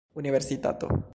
universitato